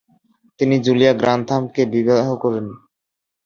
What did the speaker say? তিনি জুলিয়া গ্রান্থামকে বিবাহ করেন।